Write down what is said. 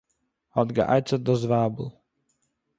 האָט גע'עצה'ט דאָס ווייבל